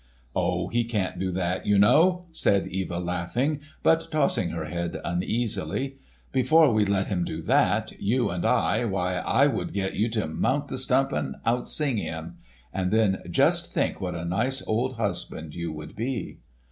"Oh, he can't do that, you know!" said Eva, laughing, but tossing her head uneasily. "Before we'd let him do that, you and I, why I would get you to mount the stump and outsing him. And then just think what a nice old husband you would be!"